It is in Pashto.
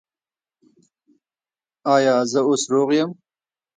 ایا زه اوس روغ یم؟